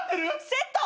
セット！